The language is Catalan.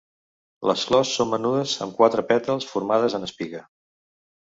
Les flors són menudes amb quatre pètals, formades en espiga.